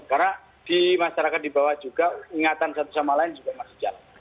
karena di masyarakat di bawah juga ingatan satu sama lain juga masih jalan